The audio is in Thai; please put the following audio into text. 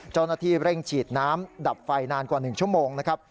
เจ้าหน้าที่เร่งฉีดน้ำดับไฟนานกว่า๑ชั่วโมงนะครับ